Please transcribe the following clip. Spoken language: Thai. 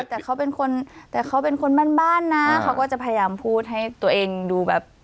แต่เขาเป็นคนแต่เขาเป็นคนบ้านบ้านนะเขาก็จะพยายามพูดให้ตัวเองดูแบบ